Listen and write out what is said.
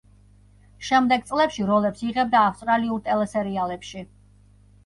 შემდეგ წლებში როლებს იღებდა ავსტრალიურ ტელესერიალებში.